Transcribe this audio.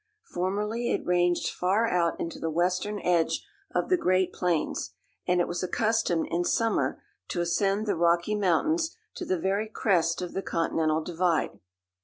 Formerly it ranged far out into the western edge of the great plains and it was accustomed in summer to ascend the Rocky Mountains to the very crest of the Continental Divide.